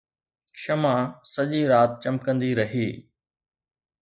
شمع سڄي رات چمڪندي رهي